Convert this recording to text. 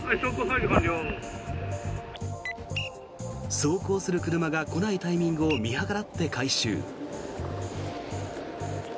走行する車が来ないタイミングを見計らって回収。